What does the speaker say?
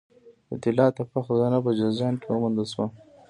د طلا تپه خزانه په جوزجان کې وموندل شوه